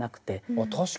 あっ確かに。